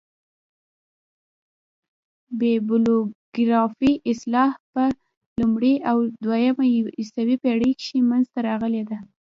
بیبلوګرافي اصطلاح په لومړۍ او دوهمه عیسوي پېړۍ کښي منځ ته راغلې ده.